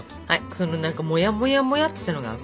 そのもやもやもやってしたのがあく。